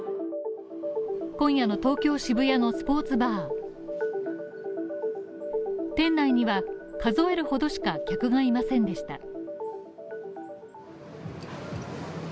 今夜の東京渋谷のスポーツバー店内には数えるほどしか客がいませんでした。